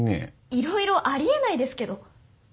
いろいろありえないですけど。